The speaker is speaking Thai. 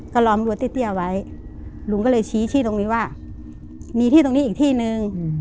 ก็ล้อมรั้วเตี้ยไว้ลุงก็เลยชี้ชี้ตรงนี้ว่ามีที่ตรงนี้อีกที่นึง